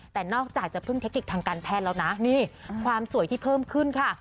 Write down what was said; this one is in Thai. แต่นอกจากจะพึ่งเทคนิคทางการแพทย์แล้วนะนี่ความสวยที่เพิ่มขึ้นค่ะ